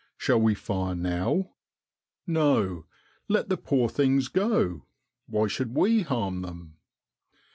Shall we fire now? No! let the poor things go, why should we harm them